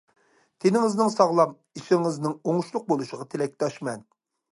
تېنىڭىزنىڭ ساغلام، ئىشلىرىڭىزنىڭ ئوڭۇشلۇق بولۇشىغا تىلەكداشمەن.